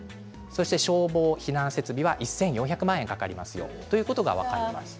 消防・避難設備は１４００万円かかりますということが分かります。